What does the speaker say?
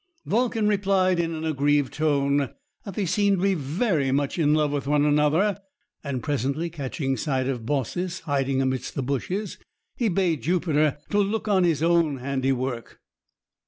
Vulcan replied in an aggrieved tone that they seemed to be very much in love with one another; and presently catching sight of Baucis hiding amidst the bushes, he bade Jupiter to look on his own handiwork.